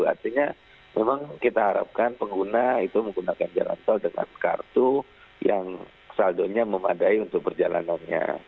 artinya memang kita harapkan pengguna itu menggunakan jalan tol dengan kartu yang saldonya memadai untuk perjalanannya